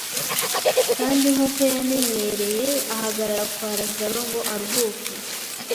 kandi nk'uko yamenyereye ahagarara kwa Lazaro ngo aruhuke.